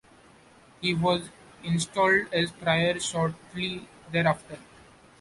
He was installed as prior shortly thereafter.